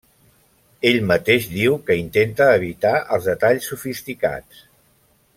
Ell mateix diu que intenta evitar els detalls sofisticats.